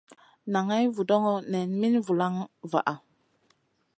Naŋay vudoŋo, nan min vulaŋ vaʼa.